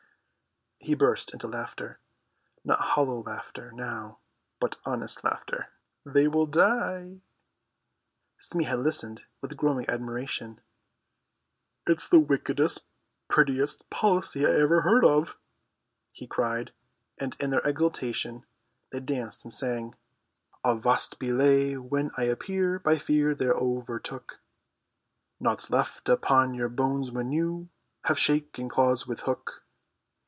He burst into laughter, not hollow laughter now, but honest laughter. "Aha, they will die." Smee had listened with growing admiration. "It's the wickedest, prettiest policy ever I heard of!" he cried, and in their exultation they danced and sang: "Avast, belay, when I appear, By fear they're overtook; Nought's left upon your bones when you Have shaken claws with Hook."